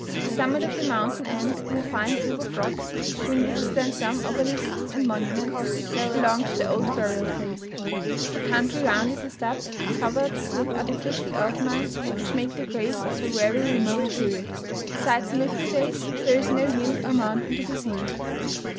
The summit of the mountain ends in a fine group of rocks, between which stand some obelisks and monuments, which belong to the old burial place. The country round is a steppe, covered with artificial earth mounds, which make the graves of a very remote period. Besides the Mithridates, there is no hill or mountain to be seen.